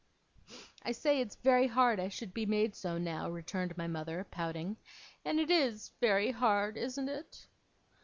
'I say it's very hard I should be made so now,' returned my mother, pouting; 'and it is very hard isn't it?